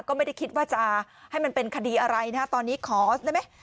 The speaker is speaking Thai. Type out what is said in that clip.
ก็ไม่ได้คิดว่าจะให้มันเป็นคดีอะไรนะตอนนี้ขอได้ไหม